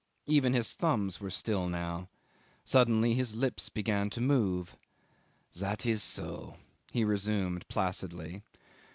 Even his thumbs were still now. Suddenly his lips began to move. "That is so," he resumed placidly.